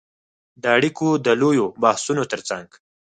د اړیکو د لویو بحثونو ترڅنګ